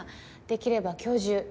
できれば今日中。